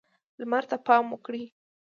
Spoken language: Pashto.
لمر ته پام وکړئ.